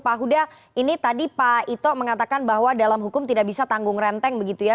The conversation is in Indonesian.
pak huda ini tadi pak ito mengatakan bahwa dalam hukum tidak bisa tanggung renteng begitu ya